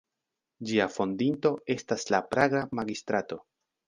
Ĝia fondinto estas la praga magistrato.